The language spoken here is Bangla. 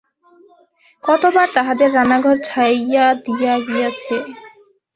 কতবার তাঁহাদের রান্নাঘর ছাইয়া দিয়া গিয়াছে।